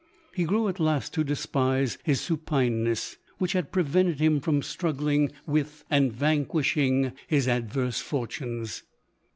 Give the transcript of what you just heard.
He grew'at last to despise his supineness, which had prevented him from struggling with LODOiu:. 217 and vanquishing his adverse fortunes.